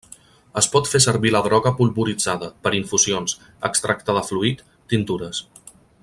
Es pot fer servir la droga polvoritzada, per infusions, extracte de fluid, tintures.